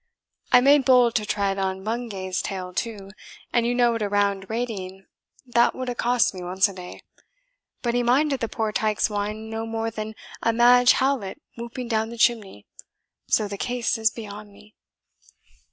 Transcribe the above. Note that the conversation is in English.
I made bold to tread on Bungay's tail too, and you know what a round rating that would ha' cost me once a day; but he minded the poor tyke's whine no more than a madge howlet whooping down the chimney so the case is beyond me."